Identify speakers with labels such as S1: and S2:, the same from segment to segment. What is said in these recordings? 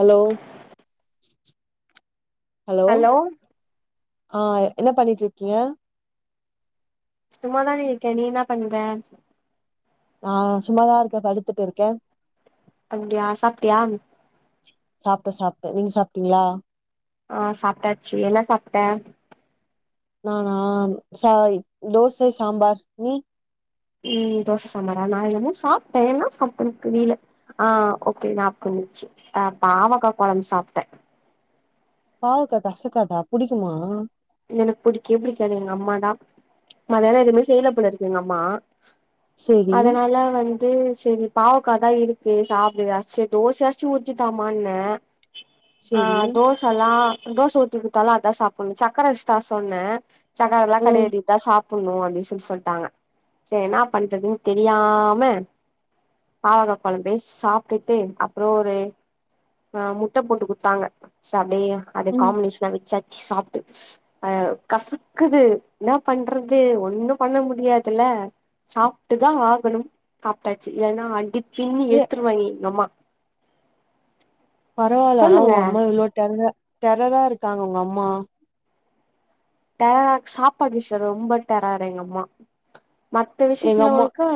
S1: hello hello ஆ என்ன பண்ணிட்ருக்கீங்க
S2: சும்மாதான்டி இருக்க நீ என்ன பண்ற
S1: நா சும்மாதா இருக்கே படுத்துட்டு இருக்கே
S2: அப்டியா சாப்ட்டியா
S1: சாப்ட்ட சாப்ட்ட நீங்க சாப்ட்டீங்களா
S2: ஆ சாப்ட்டாச்சு என்ன சாப்ட்ட
S1: நானா சாரி தோசை சாம்பார் நீ
S2: ம் தோச சாம்பாரா நா என்னம்மோ சாப்ட்டே என்ன சாப்ட்டேன்னு தெரியல ஆ ஓகே ஞாபகம் வந்துச்சு ஆ பாவக்கா கொழம்பு சாப்ட்ட
S1: பாவக்கா கசக்காதா புடிக்குமா
S2: எனக்கு புடிக்கே புடிக்காது எங்க அம்மா தா மொதல்ல எதுவுமே செய்ல போலருக்கு எங்க அம்மா
S1: செரி
S2: அதனால வந் து செரி பாவக்கா தா இருக்கு சாப்டு சேரி தோசையாச்சு ஊத்தி தாம்மான்ன ஆ
S1: செரி
S2: தோசல்லா தோச ஊத்தி குடுத்தாலு அதா சாப்புட்ணுச்சா சக்கர வச்சு தர சொன்ன சக்கரலா
S1: ம்
S2: கெடையாடி இதா சாப் புட்னு அப்டின் சொல்லி சொல்ட்டாங்க சேரி என்ன பண்றதுன்னு தெரியாம பாவக்கா கொழம்பே சாப்ட்டுட்டு அப்புற ஒரு ஆ முட்ட போட்டு குடுத்தாங்க ச அப்டியே அத
S1: ம்
S2: காம்பினேஷனா வச்சாச்சு சாப் அ கசக்குது என்ன பண்றது ஒண்ணு பண்ண முடியாதுல்ல சாப்ட்டுதா ஆகணு சாப்ட்டாச்சி இல்லன்னா அடிப்பின்னி
S1: ஏ
S2: எடுத்துருவாங்க எங்க அம்மா
S1: பரவால்ல ஆனா
S2: சொல்லுங்க
S1: உங்க அம்மா இவ்ளோ டெரரா டெரரா இருக்காங்க உங்க அம்மா
S2: டெரரா சாப்பாடு விஷ்யோ ரொம்ப டெரரு எங்க அம்மா மத்த
S1: எங்க
S2: விஷ்யத்துல
S1: அம்மா
S2: வரைக்கு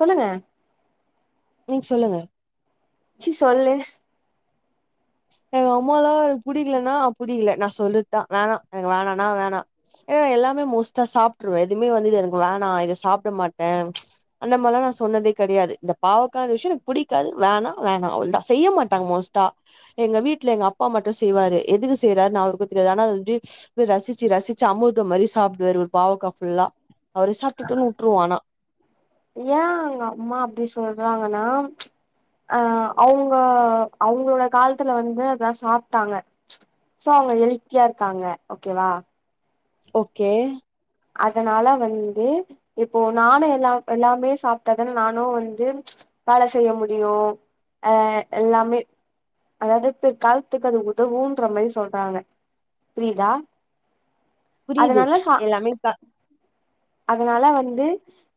S2: சொல்லுங்க
S1: நீங்க சொல்லுங்க
S2: சி சொல்லு
S1: எங்க அம்மாலா எனக்கு புடிக்கலனா அப்புடி இல்ல நா சொல்றதுதா வேணா எனக்கு வேணான்னா வேணா ஏ எல்லாமே மோஸ்ட்டா சாப்ட்டுருவே எதுவுமே வந்து இது எனக்கு வேணா இத சாப்ட மாட்டே அந்த மாரிலா நா சொன்னதே கெடையாது இந்த பாவக்கா விஷயோ எனக்கு புடிக்காது வேணா வேணா அவ்ளதா செய்ய மாட்டாங்க மோஸ்ட் டா எங்க வீட்ல எங்க அப்பா மட்டு செய்வாரு எதுக்கு செய்றாருன்னு அவருக்கு தெரியாது ஆனா அத வந்துட்டு அப்டியே ரசிச்சி ரசி ச்சி அமிர்தோ மாரி சாப்டுவாரு ஒரு பாவக்கா ஃபுல்லா அவரே சாப்டட்டுனு வுட்டுருவோ ஆனா
S2: ஏ எங்க அம்மா அப்டி சொல்றாங்கன்னா அ அவுங்க அவுங்களோட காலத்துல வந்து அதா சாப்ட்டாங்க சோ அவங்க ஹெல்த்தியா இருக்காங்க ஓக்கேவா
S1: ஓக்கே
S2: அதனால வந்து இப்போ நானு எல்லா எல்லாமே சாப்ட்டாதான நானு வந்து வேல செய்ய முடியு ஆ எல்லாமே அதாவது பிற்காலத்துக்கு அது உதவுன்ற மாரி சொல்றாங்க புரியுதா
S1: புரியுது
S2: அதனால சா
S1: எல்லாமே ப
S2: அதனால வந்து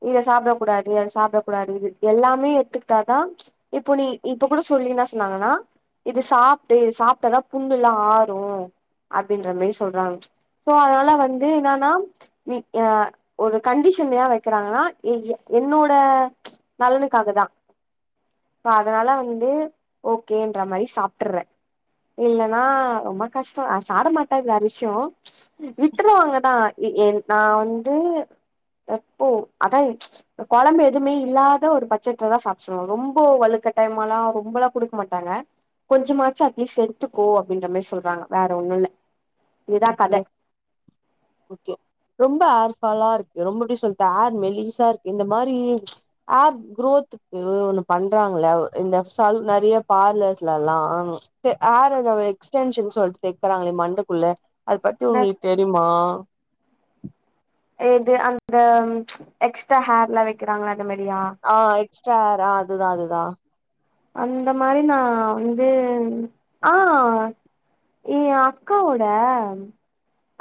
S2: இத சாப்டக் கூடாது அத சாப்டக் கூடாது இது எல்லாமே ஏத்துக்கிட்டாதா இப்போ நீ இப்ப கூட சொல்லீ என்னா சொன்னாங்கன்னா இது சாப்ட்டு இது சாப்ட்டாதா புண்ணுல்லா ஆறு அப்டின்ற மாரி சொல்றாங்க சோ அதனால வந்து என்னான்னா நீ யா ஒரு கண்டிஷன் ஏ வைக்கிறாங்கன்னா இ ஏ என்னோட நலனுக்காகதா இப்ப அதனால வந்து ஓகேன்ற மாரி சாப்ட்டுர்றே இல்லன்னா ரொம்ப கஷ்டோ ஆ சாப்ட மாட்டே அது வேற விஷ்யோ விட்டுருவாங்கதா ஏ ஏ நா வந்து எப்போ அதா இப்ப கொழம்பு எதுவுமே இல்லாத ஒரு பச்சத்துலதா சாப்ட சொல்லுவாங்க ரொம்ப வழுக்கட்டாயமாலா ரொம்பல்லா குடுக்க மாட்டாங்க கொஞ்சமாச்சு அட்லீஸ் எடுத்துக்கோ அப்டின்ற மாரி சொல்றாங்க வேற ஒண்ணு இல்ல இதுதா கத
S1: ஓக்கே ஓக்கே ரொம்ப ஹேர் ஃபாலா இருக்கு ரொம்ப எப்டி சொல்றது ஹேர் மெலீஸா இருக்கு இந்த மாரி ஹேர் க்ரோத்துக் ஏதோ ஒண்ணு பண்றாங்கல்ல இந்த சல் நெறைய பார்லர்ஸ்லல்லா இது ஹேர் ஏதோ எக்ஸ்டென்ஷன் சொல்ட்டு தக்கிறாங்களே மண்டைக்குள்ள அத பத்தி
S2: என்ன
S1: உங்களுக்கு தெரிமா
S2: எது அந்த எக்ஸ்ட்ரா ஹேர்லா வைக்கிறாங்கல்ல அந்த மாரியா
S1: ஆ எக்ஸ்ட்ரா ஹேர் ஆ அதுதா அதுதா
S2: அந்த மாரி நா வந்து ஆ இது ஏ அக்காவோட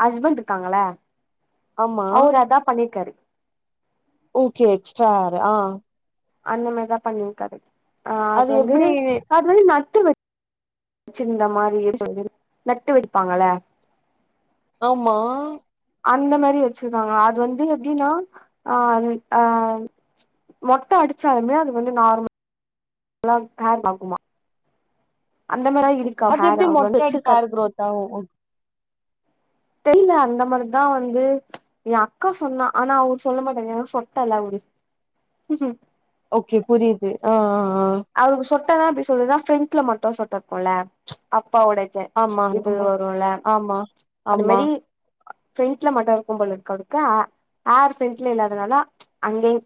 S2: ஹஸ்பண்ட் இருக்காங்கல்ல
S1: ஆமா
S2: அவரு அதா பண்ணிருக்காரு
S1: ஓகே எக்ஸ்ட்ரா ஹேர் ஆ
S2: அந்த மாரிதா பண்ணிருக்காரு ஆ அது வந்து அது வந்து நட்டுனு சிந்த மாரிய சொல்துரு நட்டு வைப்பாங்கள
S1: ஆம்மா
S2: அந்த மாரி வச்சிர்க்காங்க அது வந்து எப்டின்னா ஆன் அ மொட்ட அடிச்சாலுமே அது வந்து நார்ம லா கார் பாக்குமா
S1: அது
S2: ஹேர்
S1: எப்டி
S2: அவர் வந்து
S1: மொட்ட அடிச்
S2: வச்சிருக்காரு
S1: ஹேர் குரோத் ஆவு
S2: தெரில அந்த மாரிதா வந்து ஏ அக்கா சொன்னா ஆனா அவரு சொல்ல மாட்டேங்கறாரு சொட்டல்ல அவரு
S1: ஓக்கே புரியுது ஆ ஆ ஆ
S2: அவருக்கு சொட்டனா அப்டி சொல்லுதா ஃப்ரெண்ட்ல மட்டு சொட்டருக்குல்ல அப்பாவோட ச
S1: ஆமா
S2: இது
S1: ஆமா
S2: வருல்ல
S1: ஆமா
S2: அந்த
S1: ஆமா
S2: மாரி ஃப்ரெண்ட்ல மட்டு இருக்கும்போல் இருக்கடுக்கா ஆர் ஃப்ரெண்ட்ல இல்லாதனாதா அங்கயு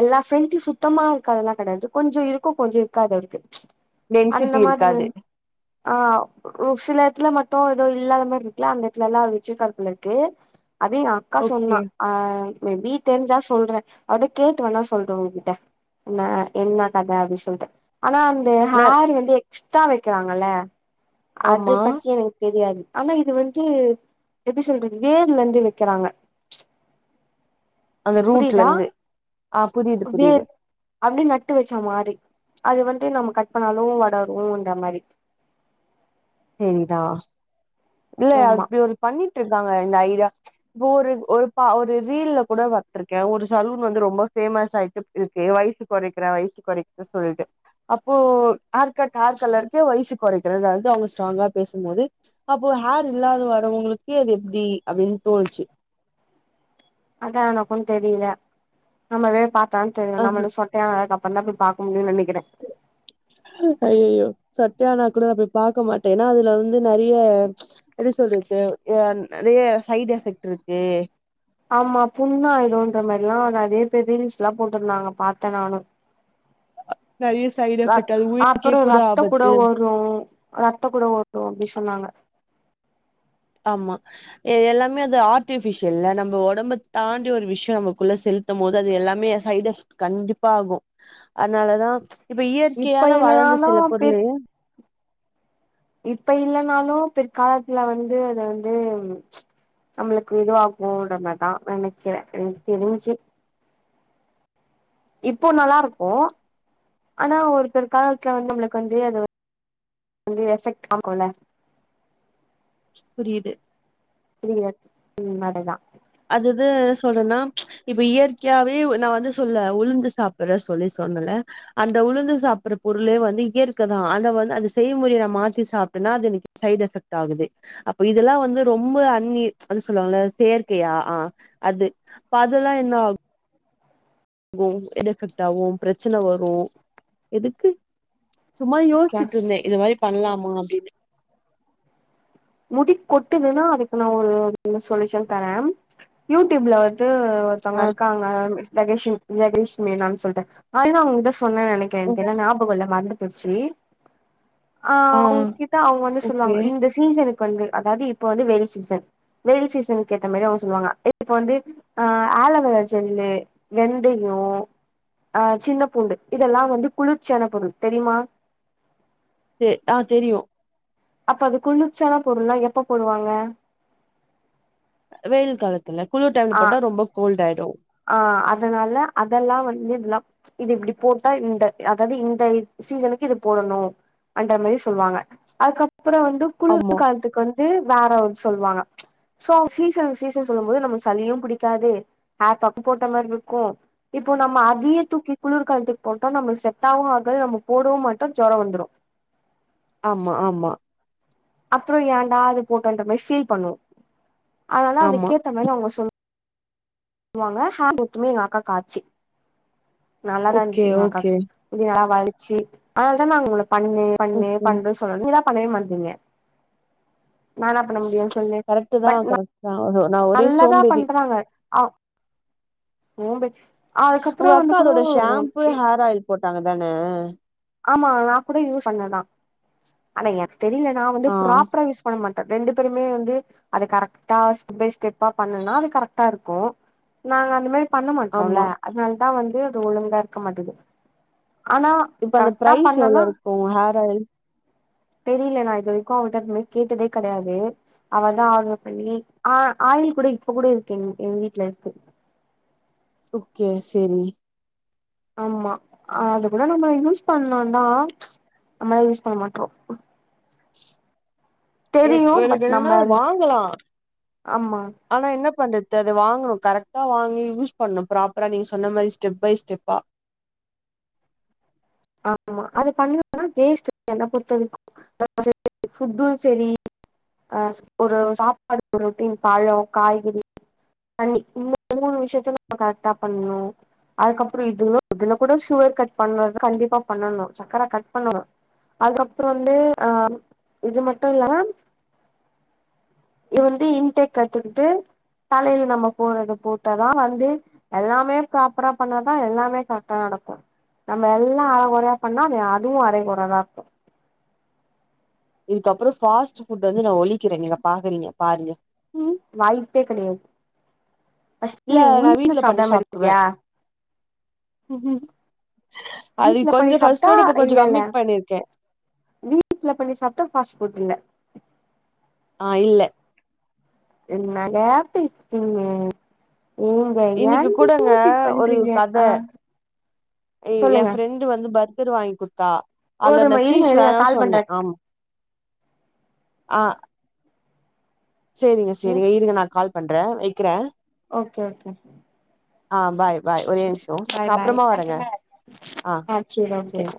S2: எல்லா ஃப்ரெண்ட்டூ சுத்தமா இருக்காதுலா கடையாது கொஞ்சோ இரு க்கூ கொஞ்சொ இருக்காது அவருக்கு அந்த
S1: டென்சிட்டி
S2: மாரி
S1: இருக்காது
S2: ஆ ஒ சில எட்த்துல மட்டு ஏதோ இல்லாத மாரி இருக்குல அந்த எடத்துலலா வெச்சருக்கார் போல இருக்கு அது ஏ அக்கா
S1: ஓகே
S2: சொன்னா ஆ மேபி தெரிஞ்சா சொல்ற அவட்ட கேட்டு வேணா சொல்றே உங்ககிட்ட ன்ன என்ன கத அப்டி சொல்ட்ட ஆனா அந்த
S1: ந
S2: ஹேர் வந்து எக்ஸ்ட்டா வக்றாங்கல்ல அது
S1: ஆமா
S2: பத்தி என தெரியாது ஆனா இது வந்து எப்டி சொல்றது வேர்ல இந்து வெக்கறாங்க
S1: அந்த ரூட்லந்து அ புரியிது புரியிது
S2: வேர் அப்டி நட்டு வச்ச மாரி அது வந்து நம்ம கட் பண்ணாலோ வடருன்ற மாரி
S1: தெரிதா இல்ல
S2: ஆமா
S1: அப்டி ஒரு பண்ணிட்டுருக்காங்க இந்த ஐடியா இப்ப ஒரு ஒரு பா ஒரு ரீல்ல கூட வத்துருக்கே ஒரு சலூன் வந்து ரொம்ப ஃபேமஸ் ஆய்ட்டு இருக்கு வயிசு கொறைக்கிற வயிசு கொறைக்ற சொல்லிட்டு அப்போ ஹேர் கட் ஹேர் கலருக்கு வயிசு கொறைக்கறது அது தா அவுங்க ஸ்ட்ராங்கா பேசும்போது அப்போ ஹேர் இல்லாத வரவங்களுக்கு அது எப்டி அப்டின்னு தோனுச்சு
S2: அதா எனக்கூ தெரியல நம்ம போய் பா [unintelligible]
S1: அது
S2: நம்மல்து சொட்டையானதுக்கப்பறந்தா போய் பாக்க முடியு நெனைக்கிற
S1: ஐயயோ சொட்டயானா கூட நா போய் பாக்க மாட்ட ஏனா அதுல வந்து நறிய எப்டி சொல்றது யம் நறைய சைட் எஃபெக்ட்டுருக்கு
S2: ஆமா புண்ணாயிடோன்ற மாரிலா நறைய பேர் ரீல்ஸ்ல்லா போட்ருந்தாங்க பாத்த நானு
S1: நறைய
S2: ரப் அப்பறோ ரத்தக் கூட வரூ ரத்தக் கூட வரூ அப்டி சொன்னாங்க
S1: ஆமா எ எல்லாமே அது ஆர்ட்டிஃபிஷியல்ல நம்ம ஒடம்ப தாண்டி ஒரு விஷ்யோ நம்மக்குள்ள செலு த்தும் போது அது எல்லாமே எ சைட் எஃப் கண்டிப்பா ஆகோ அன்னாலதா இப்ப
S2: இப்ப
S1: இயற்கையான வளந்த
S2: இல்லனாலு
S1: சில
S2: பிற்
S1: பொருளு
S2: இப்ப இல்லனாலு பிற்காலத்துல வந்து அத வந்து நம்மளுக்கு இதுவாக்கோன்ற மாரி தா நெனைக்கே எனக்கு தெரிஞ்சு இப்போ நல்லா இருக்கோ ஆனா ஒரு பிற்காலத்துல வந்து நம்மளுக்கு வந்து அது வ ந்து எஃபெக்ட் ஆகுல்ல
S1: புரியிது
S2: இனிமேதா இன்மேட்டு தா
S1: அதுதா என்ன சொல்றன்னா இப்ப இயற்கையாவே வ நா வந்து சொல்ல உளுந்து சாப்புற சொல்லி சொன்னல அந்த உளுந்து சாப்புற பொருளே வந்து இயற்க தா ஆனா வந்து அந்த செய்மொறய நா மாத்தி சாப்ட்டன்னா அது எனக் சைட் எஃபெக்ட் ஆகுது அப்ப இதெல்லா வந்து ரொம்ப அன்னீர் அதா சொல்லுவாங்கள செயற் கையா அ அது அப்ப அதுல்லா என்னா கோ சைட் எஃபெக்ட் ஆகோ பிரச்சன வரோ எதுக்கு சும்மா
S2: ஓகே
S1: யோசிச்சிட்டு இருந்தே இத மாரி பண்லாமா அப்டின்னு
S2: முடி கொட்டுதுன்னா அதுக்கு நா ஒரு ஒரு சொல்யூஷன் தரே யூடியூப்ல வந்து ஒருத்தங்க
S1: ஆ
S2: இருக்காங்க ஜகேஷ் ஜெகேஷினி மேம்ன்னு சொல்ட்டு அதுதா உங்ககிட்ட சொன்ன நெனக்கிற
S1: ம்
S2: எனக்கு என்னன்னா ல்ல மறந்து போச்சி
S1: ஆ
S2: அவுங் கிட்ட அவுங்க வந்து
S1: ஓகே
S2: சொல்லுவாங்க இந்த சீசனு வந்து அதாவது இப்ப வந்து வெயில் சீசன் வெயில் சீசனுக்கு ஏத்த மாரி அவுங்க சொல்வாங்க இப்ப வந்து அ ஆலவேரா ஜல்லு வெந்தயோ அ சின்ன பூண்டு இதெல்லா வந்து குளிர்ச்சியான பொருள் தெரியுமா
S1: தெ அ தெரியு
S2: அப்ப அது குளிச்சியான பொருள்லா எப்ப போடுவாங்க
S1: வெயில் காலத்துல குளிர் டைம்ல போட்டா ரொம்ப கோல்டு ஆயிடு
S2: அ அதனால அதெல்லா வந்து இதுல்லா இது இப்டி போட்டா இந்த அதாவது இந்த சீசனுக்கு இது போடனு அந்த மாரி சொல்லுவாங்க அதுக்கப்றோ வந்து
S1: ஆமா
S2: குளிர் காலத்துக் வந் து வேற ஒன்னு சொல்வாங்க சோ சீசன் சீசன் சொல்லும் போது நமக்கு சளியோ புடிக்காது ஹேர் பேக்கும் போட்ட மாரி இருக்கு இப்போ நம்ம அதயே தூக்கி குளிர்காலத்துக்கு போட்ட நம்ம செட்டாகவு ஆகாது நம்ம போடவு மாட்டோ ஜோரோ வந்துறு
S1: ஆமா ஆமா
S2: அப்பறோ ஏன்டா அது போட்டன்ற மாரி ஃபீல் பண்ணுவோ அதனால
S1: ஆமா
S2: அதுக்கேத்த மாரி அவுங்க சொல் லுவாங்க அக்காகு [unintelligible] ஆச்சு நல்லாதா
S1: ஓகே
S2: இருந்துச்சு எங்க
S1: ஓகே
S2: அக்காகு இது நல்லா வழுச்சு அதனாலதா நா ஒங்கள பண்ணு பண்ணு
S1: ஓகே
S2: பண்ணுனு சொல்றே நீங்க தா பண்ணவே மாட்றீங்க நா என்ன பண்ண முடியு சொல்லு
S1: கரெக்ட்டு தா
S2: பட்
S1: கரெக்ட்டு தா நா ஒரு
S2: நல்லாதா
S1: சோம்பேறி
S2: சோம்பேறி
S1: ஒங்க அக்கா அதோட ஷாம்பூ ஹேர் ஆயில் போட்டாங்க தான
S2: ஆமா நா கூட யூஸ் பண்ணதா ஆனா எனக்கு தெரில நா வந்து
S1: ஆ
S2: ப்ராப்பரா யூஸ் பண்ண மாட் ரெண்டு பேருமே வந்து அது கரெக்டா ஸ்டெப் பை ஸ்டெப்பா பண்ணுனா அது கரெக்டா இருக்கு நாங்க அந்த மாரி பண்ண மாட்டறோல்ல
S1: ஆமா
S2: அதனாலதா வந்து அது ஒழுங்கா இருக்க மாட்டேது ஆனா
S1: இப்போ அந்த
S2: கரெக்டா
S1: ப்ரைஸ் எவ்ளோ
S2: பண்ணனா
S1: இருக்கு ஹேர் ஆயில்
S2: தெரில நா இது வரைக்கு அவட்ட கேட்டதே கெடயாது அவதா ஆர்டர் பண்ணி ஆ ஆயில் கூட இப்ப கூட இருக்கு எ எங்க வீட்ல இருக்கு
S1: ஓகே சேரி
S2: ஆமா அது கூட நம்ம யூஸ் பண்லாந்தா நம்ம தா யூஸ் பண்ண மாட்ரோ
S1: எ
S2: தெரியு
S1: ஒரு
S2: பட்
S1: வேணுனா
S2: நம்ம
S1: அத வாங்கலா
S2: ஆமா
S1: ஆனா என்ன பண்றது அது வாங்கணு கரெக்டா வாங்கி யூஸ் பண்ணனு ப்ராப்பரா நீங்க சொன்ன மாரி ஸ்டெப் பை ஸ்டெப்பா
S2: ஆமா அது பண்ணிரலா ஆனா வேஸ்ட்டு என்ன பொருத்த வரைக்கு [inaudible] ஃபுட்டு சரி அ ஒரு சாப்பாடு புரோட்டீன் பழோ காய்கறி தண்ணி இந்த மூனு விஷயத்த நம்ம கரெக்டா பண்ணுனு அதுக்கப்பறோ இதுல இதுல கூட சுகர் கட் பண்ண கண்டிப்பா பண்ணனு சக்கர கட் பண்ணனு அதுக்கப்புறோ வந்து அ இது மட்டு இல்லனா இ வந்து இன்டெக்கா எடுத்துக்கிட்டு தலையில நம்ம போறத போட்டதா வந்து எல்லாமே ப்ராப்பரா பண்ணாதா எல்லாமே கரெக்டா நடக்கும் நம்ம எல்லா கொறையா பண்ணா அது அதுவூ அறைகொறதான்
S1: இதுக்கப்புறோ பாஸ்ட் ஃபுட்டு வந்து நா ஒழிக்கிறே பாக்குறீங்க பாருங்க
S2: வாய்பே கெடையாது ஃபஸ்ட்டு நீ உள் ந்து சாப்பிடாம இருக்கியா
S1: ம் ஹூம் அது
S2: வீட்ல பண்ணி
S1: கொஞ்சொ
S2: சாப்ட்டா
S1: ஃபர்ஸ்ட்டோட இப்ப கொஞ்சோ
S2: இல்ல இல்ல
S1: கம்மி பண்ணிருக்கே
S2: வீட்ல பண்ணி சாப்ட்டா பாஸ்ட் ஃபுட் இல்ல
S1: ஆ இல்ல
S2: என்னங்க பேஸ்றீங்க ம்
S1: இன்னிக்கு கூடங்க ஒரு கத
S2: ஆ
S1: ஏ
S2: சொல்லுங்க
S1: ஃப்ரெண்ட் டு வந்து பர்கர் வாங்கி குடுத்தா அதுல
S2: ஒரு
S1: நா
S2: இருங்க
S1: சீஸ்
S2: இருங்க
S1: வேணா
S2: கால்
S1: சொன்னே
S2: பண்றே
S1: ஆமா ஆ சேரிங்க சேரிங்க இருங்க நா கால் பண்றே வெக்கிறே
S2: ஓகே ஓகே
S1: பாய் பாய் ஒரே நிமிஷோ
S2: பாய்
S1: நா
S2: பாய்
S1: அப்புறமா வரேங்க
S2: ஆ சொரி ஓக்கே
S1: சேரிங்க